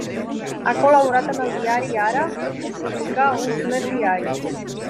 Ha col·laborat amb el diari Ara, on publicà un sonet diari.